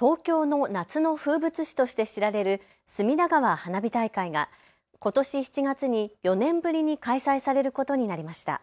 東京の夏の風物詩として知られる隅田川花火大会がことし７月に４年ぶりに開催されることになりました。